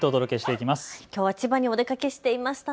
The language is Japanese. きょうは千葉にお出かけしていましたね。